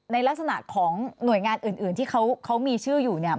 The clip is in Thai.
ในลักษณะของหน่วยงานอื่นที่เขามีชื่ออยู่เนี่ย